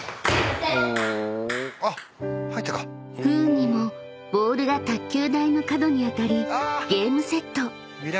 ［不運にもボールが卓球台の角に当たりゲームセット］